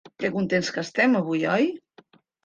Que contents que estem avui, oi?